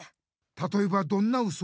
たとえばどんなウソ？